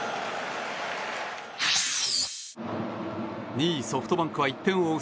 ２位ソフトバンクは１点を追う